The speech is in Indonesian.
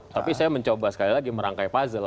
tapi saya mencoba sekali lagi merangkai puzzle